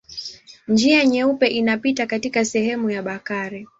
Njia Nyeupe inapita katika sehemu ya Bakari.